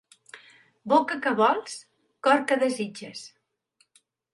Boca què vols, cor què desitges.